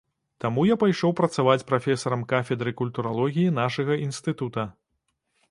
Таму я пайшоў працаваць прафесарам кафедры культуралогіі нашага інстытута.